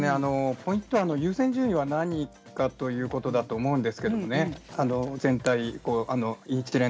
本当は優先順位は何かということだと思うんですけれど。